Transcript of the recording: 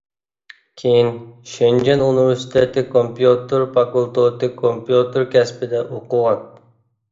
كېيىن شېنجېن ئۇنىۋېرسىتېتى كومپيۇتېر فاكۇلتېتى كومپيۇتېر كەسپىدە ئوقۇغان.